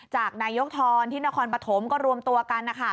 จากนายกทรที่นครปฐมก็รวมตัวกันนะคะ